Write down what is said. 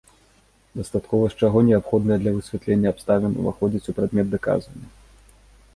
Дастатковасць чаго неабходная для высвятлення абставін уваходзяць у прадмет даказвання.